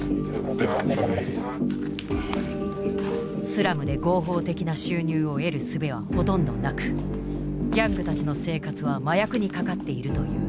スラムで合法的な収入を得るすべはほとんどなくギャングたちの生活は麻薬にかかっているという。